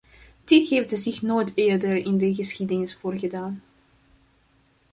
Dit heeft zich nooit eerder in de geschiedenis voorgedaan.